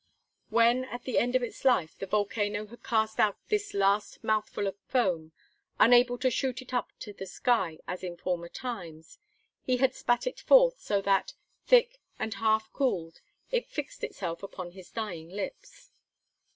When at the end of its life, the volcano had cast out this last mouthful of foam, unable to shoot it up to the sky as in former times, he had spat it forth, so that, thick and half cooled, it fixed itself upon his dying lips.